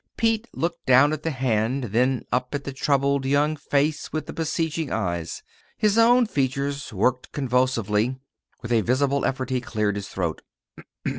Pete looked down at the hand, then up at the troubled young face with the beseeching eyes. His own features worked convulsively. With a visible effort he cleared his throat.